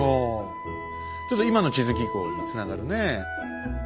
ちょっと今の地図記号につながるねえ。